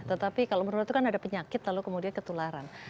tetapi kalau menurut itu kan ada penyakit lalu kemudian ketularan